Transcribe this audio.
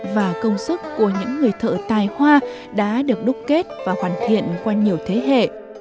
và công sức của những người thợ tài hoa đã được đúc kết và hoàn thiện qua nhiều thế hệ